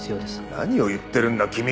何を言ってるんだ君は。